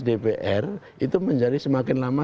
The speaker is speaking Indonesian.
dpr itu menjadi semakin lama